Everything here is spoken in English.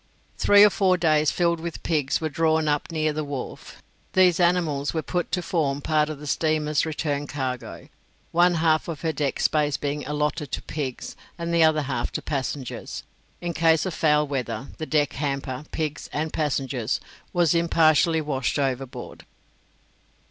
Three or four drays filled with pigs were drawn up near the wharf; these animals were to form part of the steamer's return cargo, one half of her deck space being allotted to pigs, and the other half to passengers. In case of foul weather, the deck hamper, pigs and passengers, was impartially washed overboard.